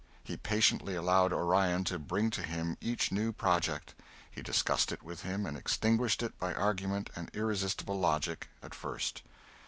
He patiently allowed Orion to bring to him each new project; he discussed it with him and extinguished it by argument and irresistible logic at first.